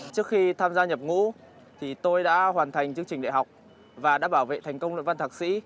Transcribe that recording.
trước khi tham gia nhập ngũ tôi đã hoàn thành chương trình đại học và đã bảo vệ thành công luận văn thạc sĩ